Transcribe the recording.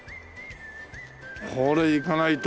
これ行かないと。